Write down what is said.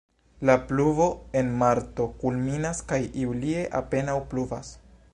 La pluvo en marto kulminas kaj julie apenaŭ pluvas.